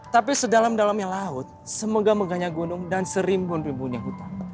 tapi sedalam dalamnya laut semoga megahnya gunung dan serimbun rimbunnya hutan